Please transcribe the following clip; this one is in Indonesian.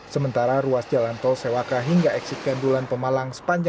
sementara ruas jalan tol sewaka hingga eksit kendulan pemalang